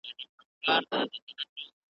نن لکړي نڅومه میخانې چي هېر مي نه کې .